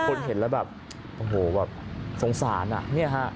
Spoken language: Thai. เห็นแล้วแบบโอ้โหแบบสงสารอ่ะเนี่ยฮะ